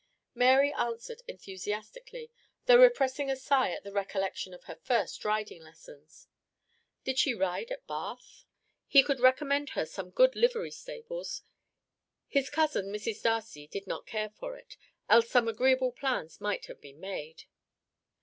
Mary answered enthusiastically, though repressing a sigh at the recollection of her first riding lessons. Did she ride at Bath? He could recommend her some good livery stables. His cousin, Mrs. Darcy, did not care for it, else some agreeable plans might have been made.